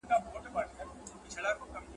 که سړک وي نو تګ نه ستونزمن کیږي.